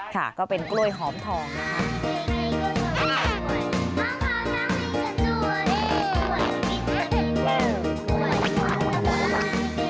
ค่ะก็เป็นกล้วยหอมทองนะคะ